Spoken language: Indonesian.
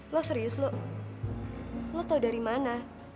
lo serius lo tau dari mana